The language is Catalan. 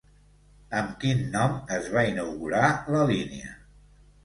Amb quin nom es va inaugurar la línia?